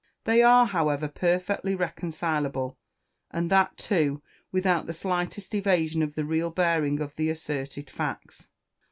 They are, however, perfectly reconcileable, and that too, without the slightest evasion of the real bearing of the asserted facts.